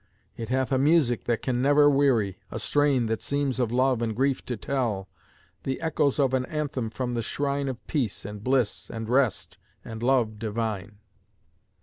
It hath a music that can never weary, A strain that seems of love and grief to tell, The echoes of an anthem from the shrine Of peace, and bliss, and rest, and love divine.